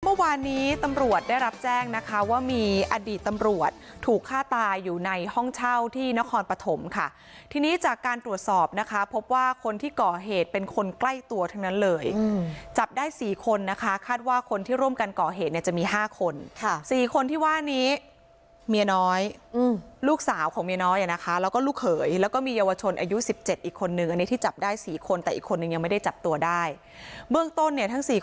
เมื่อวานนี้ตำรวจได้รับแจ้งนะคะว่ามีอดีตตำรวจถูกฆ่าตายอยู่ในห้องเช่าที่นครปฐมค่ะทีนี้จากการตรวจสอบนะคะพบว่าคนที่ก่อเหตุเป็นคนใกล้ตัวทั้งนั้นเลยจับได้สี่คนนะคะคาดว่าคนที่ร่วมกันก่อเหตุเนี่ยจะมีห้าคนค่ะสี่คนที่ว่านี้เมียน้อยอืมลูกสาวของเมียน้อยอ่ะนะคะแล้วก็ลูกเขยแล้วก็มีเยาวชนอายุส